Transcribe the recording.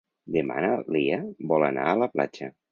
Demà na Lia vol anar a la platja.